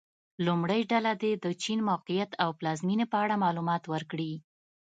لومړۍ ډله دې د چین موقعیت او پلازمېنې په اړه معلومات ورکړي.